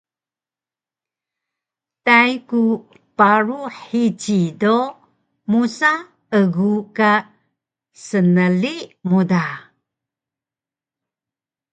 Tai ku paru hici do musa egu ka snli mu da